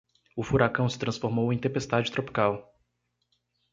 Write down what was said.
O furacão se transformou em tempestade tropical